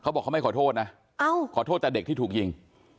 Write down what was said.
บอกเขาไม่ขอโทษนะขอโทษแต่เด็กที่ถูกยิง